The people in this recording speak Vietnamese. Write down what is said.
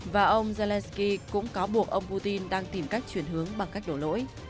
và ông zelensky cũng cáo buộc ông putin đang tìm cách chuyển hướng bằng cách đổ lỗi